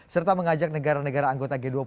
serta mengajak negara negara anggota g dua puluh